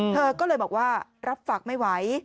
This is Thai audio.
เธอก็เลยบอกว่ารับฝากไม่ไหว